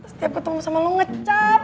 setiap ketemu sama lo ngecat